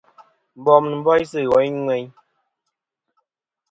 Bom nɨn boysɨ woyn ŋweyn.